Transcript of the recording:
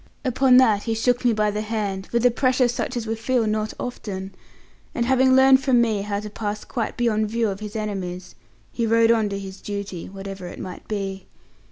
Upon this he shook me by the hand, with a pressure such as we feel not often; and having learned from me how to pass quite beyond view of his enemies, he rode on to his duty, whatever it might be.